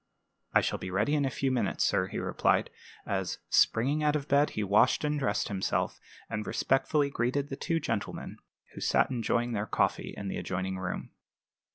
"I shall be ready in a few minutes, sir," he replied, as, springing out of bed, he washed and dressed himself, and respectfully greeted the two gentlemen, who sat enjoying their coffee in an adjoining room.